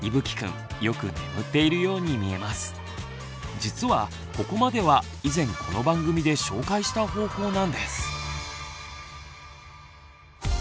実はここまでは以前この番組で紹介した方法なんです。